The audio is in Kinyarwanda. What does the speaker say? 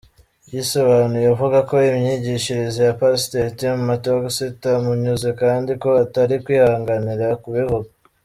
Yisobanuye avuga ko imyigishirize ya Pasiteri Tim Mattox itamunyuze kandi ko atari kwihanganira kubivuga.